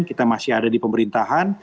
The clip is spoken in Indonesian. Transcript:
kita masih ada di pemerintahan